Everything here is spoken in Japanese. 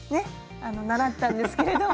習ったんですけれども。